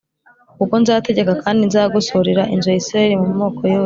“Kuko nzategeka kandi nzagosorera inzu ya Isirayeli mu moko yose